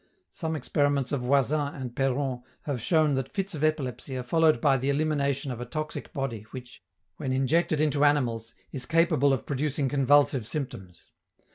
Some experiments of Voisin and Peron have shown that fits of epilepsy are followed by the elimination of a toxic body which, when injected into animals, is capable of producing convulsive symptoms.